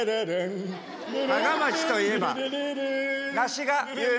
芳賀町といえば梨が有名」。